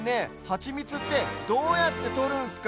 ハチミツってどうやってとるんすか？